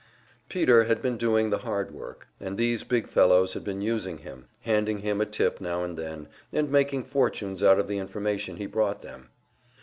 Peter had been doing the hard work, and these big fellows had been using him, handing him a tip now and then, and making fortunes out of the information he brought them.